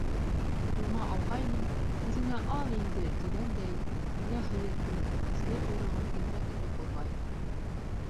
Ҡулыма алғайным, үҙеңә ал инде, тигәндәй, миңә һыйынды, кескәй ҡойроғон ирмәк итеп болғай.